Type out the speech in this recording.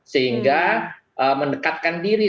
sehingga mendekatkan diri